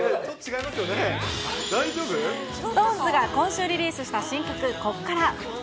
違いますよね、大丈夫？ＳｉｘＴＯＮＥＳが今週リリースした新曲、こっから。